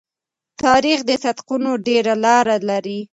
تاریخ د صدقونو ډېره لار لري.